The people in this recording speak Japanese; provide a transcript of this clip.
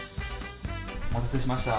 お待たせしました。